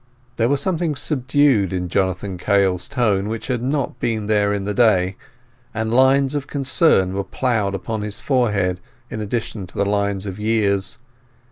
There was something subdued in Jonathan Kail's tone which had not been there in the day, and lines of concern were ploughed upon his forehead in addition to the lines of years.